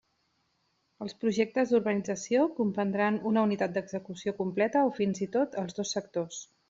Els projectes d'urbanització comprendran una unitat d'execució completa o fins i tot els dos sectors.